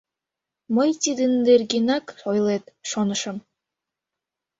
Мый тидын нергенак ойлет, шонышым.